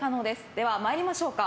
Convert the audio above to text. では参りましょうか。